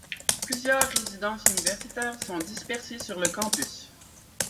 Plusieurs résidences universitaires sont dispersées sur le campus.